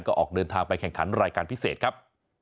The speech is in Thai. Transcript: ก็ออกเดินทางไปแข่งขันรายการพิเศษครับ